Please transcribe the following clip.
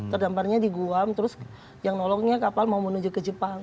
terdamparnya di guam terus yang noloknya kapal mau menuju ke jepang